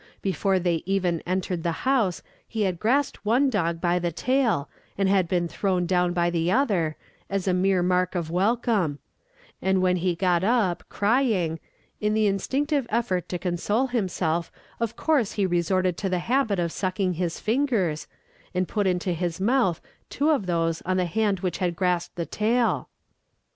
Before they even entered the house, he had grasped one dog by the tail, and been thrown down by the other, as a mere mark of welcome; and when he got up, crying, in the instinctive effort to console himself of course he resorted to the habit of sucking his fingers, and put into his mouth two of those on the hand which had grasped the tail.